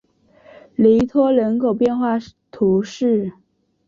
雷托人口变化图示